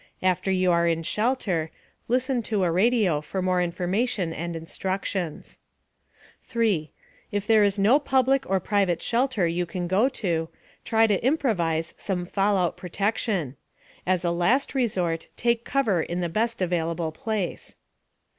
After you are in shelter, listen to a radio for more information and instructions. 3. If there is no public or private shelter you can go to, try to improvise some fallout protection. As a last resort, take cover in the best available place.